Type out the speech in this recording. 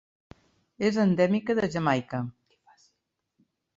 És endèmica de Jamaica.